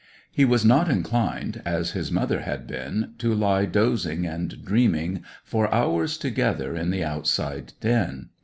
He was not inclined, as his mother had been, to lie dozing and dreaming for hours together in the outside den.